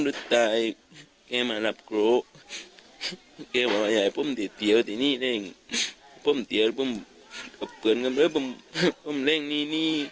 ดูว่าเมตนพูดเลย